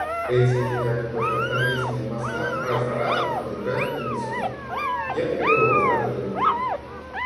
Эти якобы оздоровительные масла раз за разом обжигают мне лицо. Я требую возврата денег!